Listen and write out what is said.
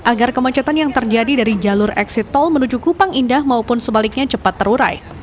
agar kemacetan yang terjadi dari jalur eksit tol menuju kupang indah maupun sebaliknya cepat terurai